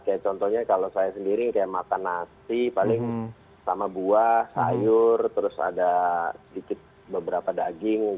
kayak contohnya kalau saya sendiri kayak makan nasi paling sama buah sayur terus ada sedikit beberapa daging